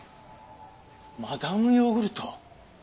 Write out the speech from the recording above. マダム・ヨーグルト！